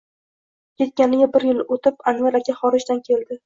Ketganiga bir yil o`tib, Anvar aka xorijdan keldi